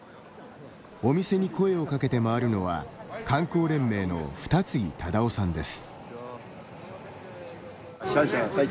お店に声をかけて回るのは観光連盟の二木忠男さんです。